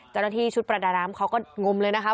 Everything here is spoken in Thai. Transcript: เจ้าหน้าที่ชุดประดาน้ำเขาก็งมเลยนะคะ